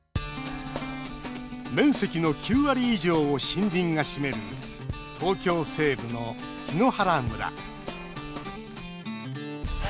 面積の９割以上を森林が占める東京・西部の檜原村。